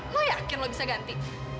lu yakin lu bisa ganti